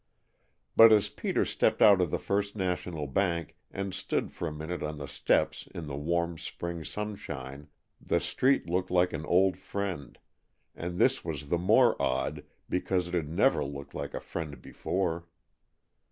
But as Peter stepped out of the First National Bank, and stood for a minute on the steps in the warm spring sunshine, the street looked like an old friend, and this was the more odd because it had never looked like a friend before.